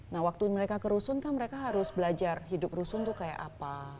nah waktu mereka ke rusun kan mereka harus belajar hidup rusun tuh kayak apa